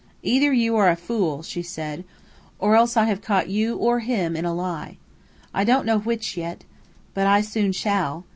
"Either you are a fool," she said, "or else I have caught you or him in a lie. I don't know which yet. But I soon shall.